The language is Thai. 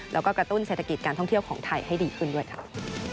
แล้วก็กระตุ้นเศรษฐกิจการท่องเที่ยวของไทยให้ดีขึ้นด้วยค่ะ